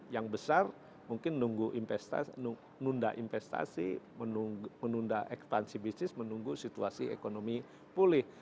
yang besar mungkin nunda investasi menunda ekspansi bisnis menunggu situasi ekonomi pulih